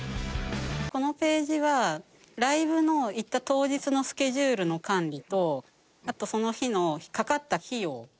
このページはライブの行った当日のスケジュールの管理とあとその日のかかった費用。